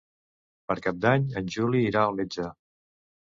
Per Cap d'Any en Juli irà al metge.